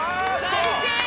最低！